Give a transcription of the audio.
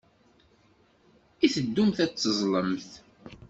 I teddumt ad teẓẓlemt?